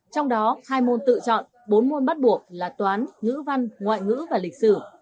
trong đó hai môn tự chọn bốn môn bắt buộc là toán ngữ văn ngoại ngữ và lịch sử